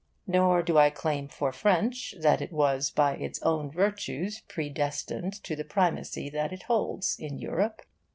Nor do I claim for French that it was by its own virtues predestined to the primacy that it holds in Europe.